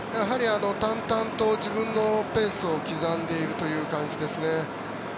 淡々と自分のペースを刻んでいるという感じですね。